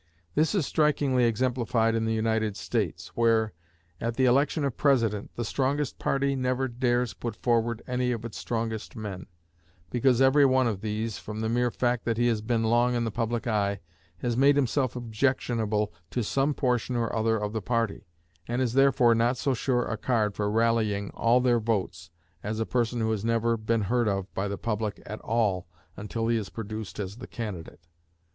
This is strikingly exemplified in the United States; where, at the election of President, the strongest party never dares put forward any of its strongest men, because every one of these, from the mere fact that he has been long in the public eye, has made himself objectionable to some portion or other of the party, and is therefore not so sure a card for rallying all their votes as a person who has never been heard of by the public at all until he is produced as the candidate.